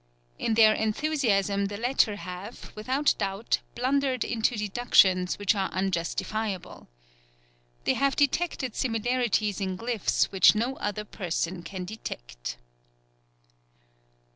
In their enthusiasm the latter have, without doubt, blundered into deductions which are unjustifiable. They have detected similarities in glyphs which no other person can detect.